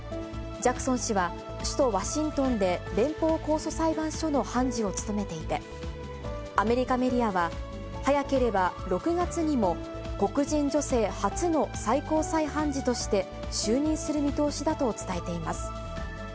ジャクソン氏は、首都ワシントンで連邦控訴裁判所の判事を務めていて、アメリカメディアは、早ければ６月にも黒人女性初の最高裁判事として就任する見通しだと伝えています。